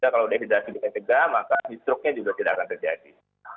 kalau dehidrasi kita cegah maka heat struknya juga tidak akan terjadi